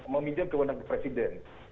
meminjam kewenangan presiden